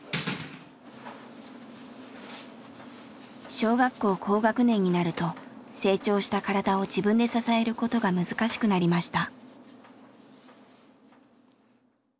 小学校高学年になると成長した体を自分で支えることが難しくなりました。